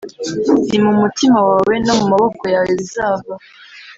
ni mumutima wawe no mumaboko yawe bizava